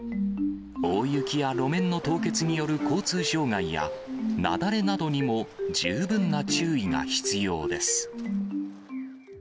大雪や路面の凍結による交通障害や、雪崩などにも十分な注意が必要です。